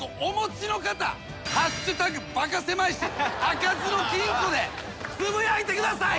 「＃バカせまい史開かずの金庫」でつぶやいてください。